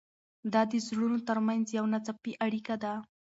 دا د زړونو تر منځ یوه ناڅاپي اړیکه وه.